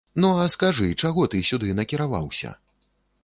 Ну, а скажы, чаго ты сюды накіраваўся?